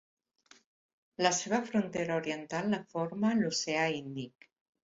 La seva frontera oriental la forma l'oceà Índic.